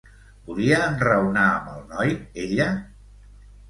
Volia enraonar amb el noi, ella?